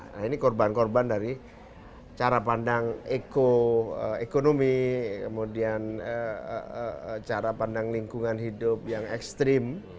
nah ini korban korban dari cara pandang ekonomi kemudian cara pandang lingkungan hidup yang ekstrim